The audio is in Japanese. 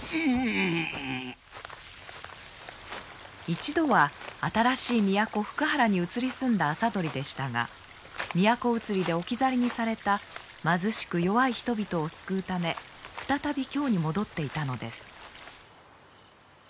一度は新しい都福原に移り住んだ麻鳥でしたが都移りで置き去りにされた貧しく弱い人々を救うため再び京に戻っていたのです。